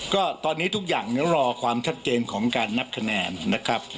ก็ตอนนี้ทุกอย่างรอความชัดเจนของการนับคะแนนนะครับ